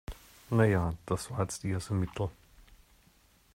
Na ja, das war jetzt eher so mittel.